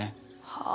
はあ。